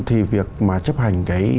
thì việc mà chấp hành